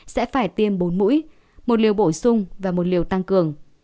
sẽ phải tiêm bốn mũi một liều bổ sung và một liều tăng cường